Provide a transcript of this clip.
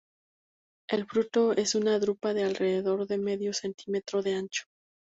El fruto es una drupa de alrededor de medio centímetro de ancho.